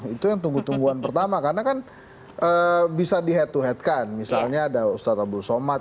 itu yang tunggu tungguan pertama karena kan bisa di head to head kan misalnya ada ustadz abdul somad